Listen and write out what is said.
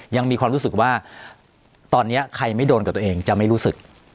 ยังมีความรู้สึกว่าตอนนี้ใครไม่โดนกับตัวเองจะไม่รู้สึก